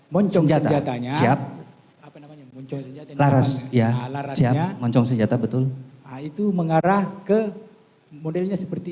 moncong senjatanya siap laras ya siap moncong senjata betul itu mengarah ke modelnya seperti